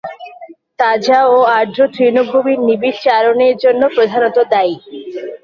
তাজা ও আর্দ্র তৃণভূমির নিবিড় চারণ এর জন্য প্রধানত দায়ী।